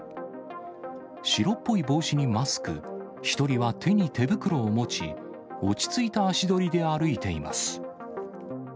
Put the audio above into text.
白っぽい帽子にマスク、１人は手に手袋を持ち、落ち着いた足取りで歩いています。